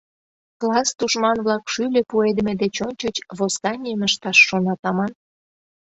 Класс тушман-влак шӱльӧ пуэдыме деч ончыч восстанийым ышташ шонат аман...